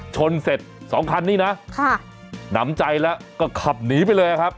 ชนเสร็จสองคันนี้นะนำใจแล้วก็ขับหนีไปเลยครับ